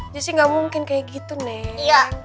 jessy gak mungkin kayak gitu neneng